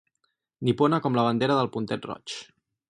Nipona com la bandera del puntet roig.